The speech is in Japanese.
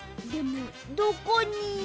でもどこに。